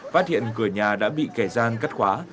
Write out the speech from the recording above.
phát hiện cửa nhà đã bị kẻ gian cắt khóa